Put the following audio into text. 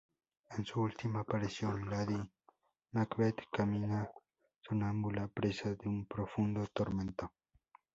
En su última aparición, lady Macbeth camina sonámbula, presa de un profundo tormento.